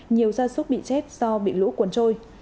nhiều gia súc bị chết do bị lũ cuốn trôi